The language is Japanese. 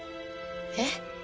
えっ？